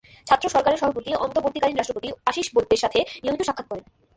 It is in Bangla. ছাত্র সরকারের সভাপতি অন্তর্বর্তীকালীন রাষ্ট্রপতি আশিষ বৈদ্যের সাথে নিয়মিত সাক্ষাৎ করেন।